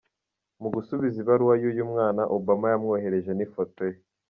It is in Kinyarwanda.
Mu gusubiza ibaruwa y’uyu mwana, Obama yamwohererje n’ifoto ye.